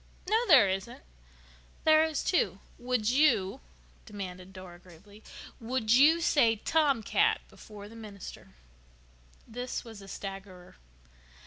"No, there isn't." "There is, too. Would you," demanded Dora gravely, "would you say 'tomcat' before the minister?" This was a staggerer.